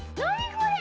これ！